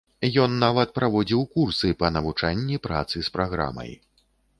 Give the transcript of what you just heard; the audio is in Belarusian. Ён нават праводзіў курсы па навучанні працы з праграмай.